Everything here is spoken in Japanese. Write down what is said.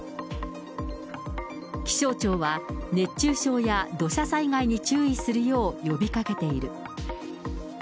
気象庁は、熱中症や土砂災害に注意するよう呼びかけている。